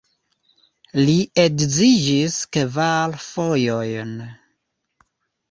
Li edziĝis kvar fojojn.